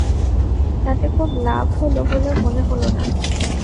তাতে খুব লাভ হল বলে মনে হল না।